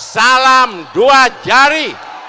salam dua jari